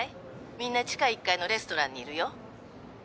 みんな地下１階のレストランにいるよ。